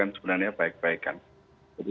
sebenarnya baik baik kan